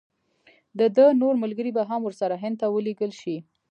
د ده نور ملګري به هم ورسره هند ته ولېږل شي.